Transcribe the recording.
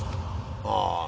ああ。